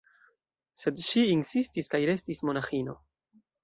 Sed ŝi insistis kaj restis monaĥino.